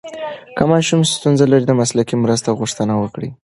که ماشوم ستونزه لري، د مسلکي مرسته غوښتنه وکړئ.